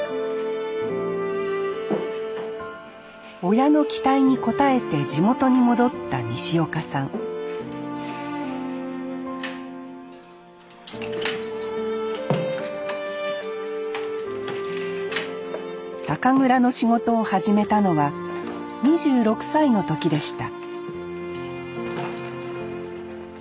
親の期待に応えて地元に戻った西岡さん酒蔵の仕事を始めたのは２６歳の時でした